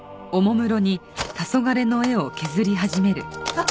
あっ！